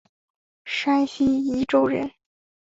山西忻州人。